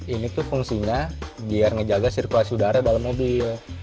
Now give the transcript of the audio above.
ini tuh fungsinya biar ngejaga sirkulasi udara dalam mobil